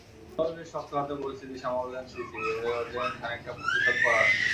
তবে বেশ শক্ত হাতে পরিস্থিতি সামাল দেন সিসি, হয়ে ওঠেন খানিকটা প্রতিশোধপরায়ণ।